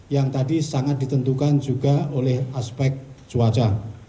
yang tadi sangat ditentukan juga oleh aspek cuaca